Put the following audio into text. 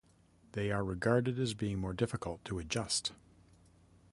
They are regarded as being more difficult to adjust.